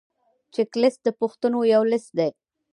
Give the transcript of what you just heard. چک لیست د پوښتنو یو لیست دی.